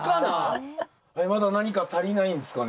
まだ何か足りないんすかね？